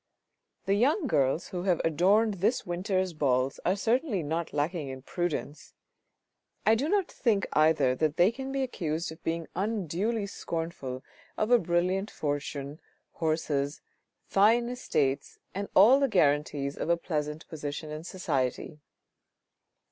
The young girls who have adorned this winter's balls are certainly not lacking in prudence. I do not think either that they can be accused of being un duly scornful of a brilliant fortune, horses, fine estates and all 366 THE RED AND THE BLACK the guarantees of a pleasant position in society.